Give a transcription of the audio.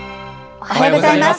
おはようございます。